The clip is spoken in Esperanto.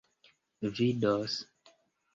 vidos